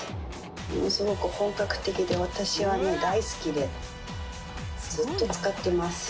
すごく本格的で私はね大好きでずっと使ってます。